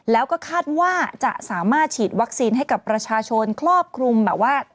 แล้วก็คาดว่าจะสามารถฉีดวัคซีนให้กับประชาชนครอบคลุมแบบว่า